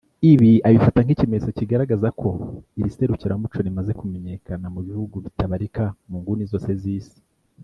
Ibi abifata nk’ikimenyetso kigaragaza ko iri serukiramuco rimaze kumenyekana mu bihugu bitabarika mu nguni zose z’Isi